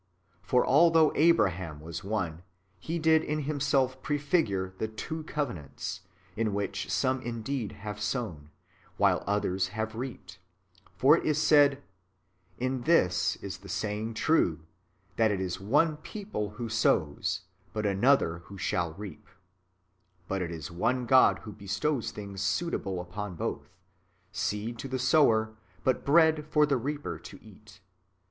For althouo h Abraham ^vas one, he did in himself prefigure the two covenants, in wdiich some indeed have sown, while others have reaped ; for it is said, " In this is the saying true, that it is one ' people' who sows, but another who shall reap ;"^ but it is one God who bestows things suit able upon both — seed to the sower, but bread for the reaper to eat.